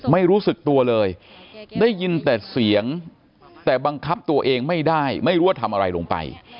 ไม่รู้สึกตัวเลยได้ยินแต่เสียงแต่บังคับตัวเองไม่ได้ไม่รู้ว่าทำอะไรลงไป